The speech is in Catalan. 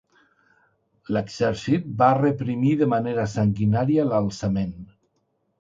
L'exèrcit va reprimir de manera sanguinària l'alçament.